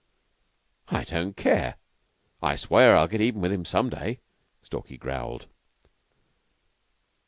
"I don't care. I swear I'll get even with him some day," Stalky growled.